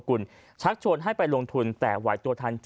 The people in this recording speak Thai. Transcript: เนื่องจากว่าอยู่ระหว่างการรวมพญาหลักฐานนั่นเองครับ